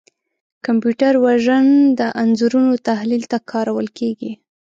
کمپیوټر وژن د انځورونو تحلیل ته کارول کېږي.